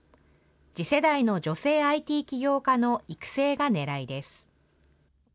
次世代の女性ＩＴ起業家の育成がねらいです。